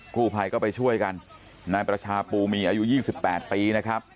กู้ภัยก็ไปช่วยกันนายประชาปูมีอายุ๒๘ปีนะครับ